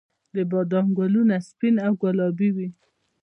د بادام ګلونه سپین او ګلابي وي